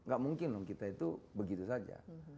gak mungkin dong kita itu begitu saja